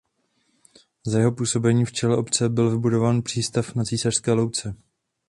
Za jeho působení v čele obce byl vybudován přístav na Císařské louce.